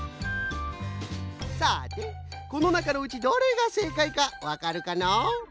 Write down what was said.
さてこの中のうちどれがせいかいかわかるかな？